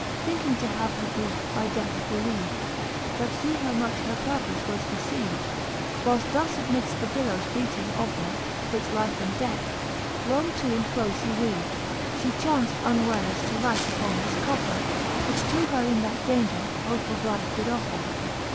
Thinking to have her griefe by death bereaved. But fee how much her purpofe was deceaved : Whileft thus amidft the billowes beating of her Twixt life and death, long to and fro ihe weaved, She chaunft unwares to light upon this coffer, Which to her in that daunger hope of life did offer.